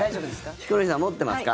ヒコロヒーさん持ってますか？